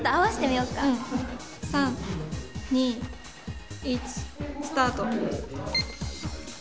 ３２１スタート。